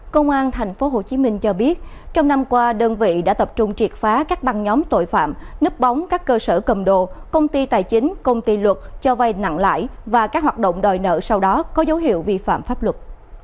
công an tp hcm cho biết trong năm qua đơn vị đã tập trung triệt phá các băng nhóm tội phạm nấp bóng các cơ sở cầm đồ công ty tài chính công ty luật cho vay nặng lãi và các hoạt động đòi nợ sau đó có dấu hiệu vi phạm pháp luật